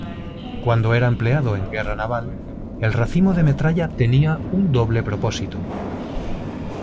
Cuando era empleado en guerra naval, el racimo de metralla tenía un doble propósito.